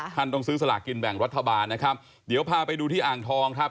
ต้องซื้อสลากกินแบ่งรัฐบาลนะครับเดี๋ยวพาไปดูที่อ่างทองครับ